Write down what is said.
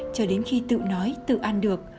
cho đến khi tự nói tự ăn được